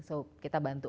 so kita bantu